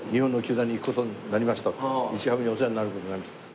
日ハムにお世話になる事になりました。